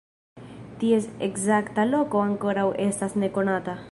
Ties ekzakta loko ankoraŭ estas nekonata.